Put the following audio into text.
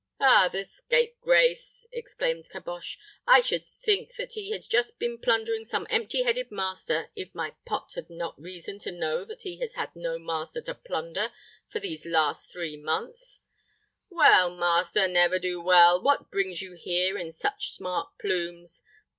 "Ah, the scapegrace!" exclaimed Caboche "I should think that he had just been plundering some empty headed master, if my pot had not reason to know that he has had no master to plunder for these last three months. Well, Master Never do well, what brings you here in such smart plumes?